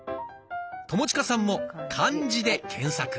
友近さんも「漢字」で検索。